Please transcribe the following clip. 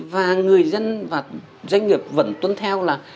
và người dân và doanh nghiệp vẫn tuân theo là